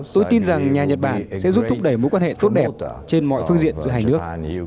tôi tin rằng nhà nhật bản sẽ giúp thúc đẩy mối quan hệ tốt đẹp trên mọi phương diện giữa hai nước